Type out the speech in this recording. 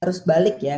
harus balik ya